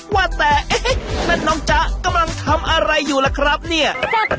ว่าแต่ทำอะไรมากมายน้องเจ้า